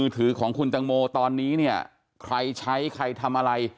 ต้อนี้เนี้ยใครใช้ใครทำอะไร